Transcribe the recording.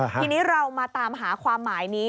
ทีนี้เรามาตามหาความหมายนี้